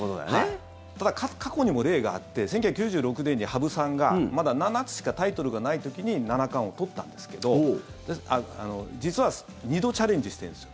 ただ、過去にも例があって１９９６年に羽生さんがまだタイトルが７つしかない時に七冠を取ったんですけど、実は２度チャレンジしてるんです。